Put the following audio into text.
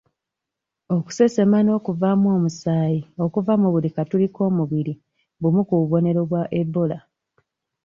Okusesema n'okuvaamu omusaayi okuva mu buli katuli k'omubiri bumu ku bubonero bwa Ebola.